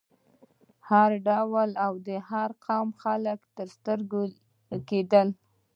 هر ډول او د هر قوم خلک تر سترګو کېدل.